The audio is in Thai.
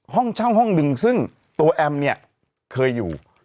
ห้องเช่าห้องหนึ่งซึ่งตัวแอมเนี่ยเคยอยู่